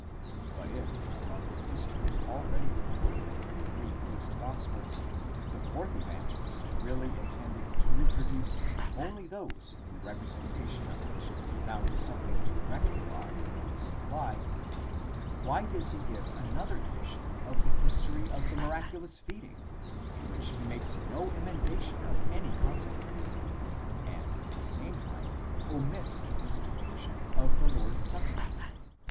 But if, among the histories already recorded in the three first gospels, the fourth Evangelist really intended to reproduce only those in the representation of which he found something to rectify or supply: why does he give another edition of the history of the miraculous feeding, in which he makes no emendation of any consequence, and at the same time omit the institution of the Lord's supper?